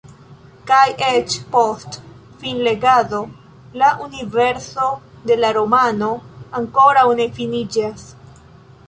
Kaj eĉ post finlegado la universo de la romano ankoraŭ ne finiĝas.